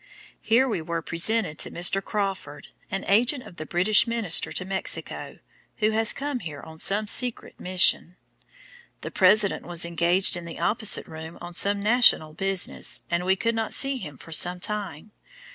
Here we were presented to Mr. Crawford, an agent of the British Minister to Mexico, who has come here on some secret mission. "The President was engaged in the opposite room on some national business, and we could not see him for some time.